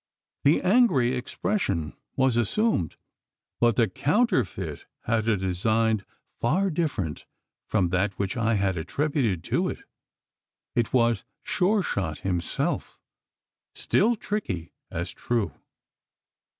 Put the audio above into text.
The angry expression was assumed; but the counterfeit had a design, far different from that which I had attributed to it. It was Sure shot himself still tricky as true.